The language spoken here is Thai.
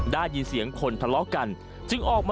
สวัสดีครับ